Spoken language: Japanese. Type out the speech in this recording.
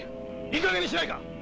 いいかげんにしないか！